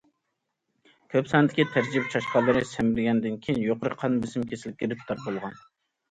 كۆپ ساندىكى تەجرىبە چاشقانلىرى سەمرىگەندىن كېيىن يۇقىرى قان بېسىمى كېسىلىگە گىرىپتار بولغان.